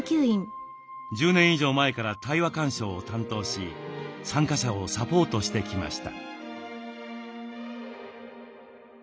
１０年以上前から対話鑑賞を担当し参加者をサポートしてきました。